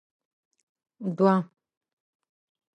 دوه